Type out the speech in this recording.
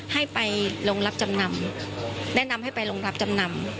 ให้ไปโรงรับจำนำแนะนำให้ไปโรงรับจำนำ